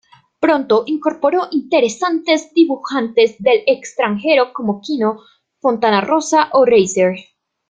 Pronto incorporó interesantes dibujantes del extranjero como Quino, Fontanarrosa o Reiser.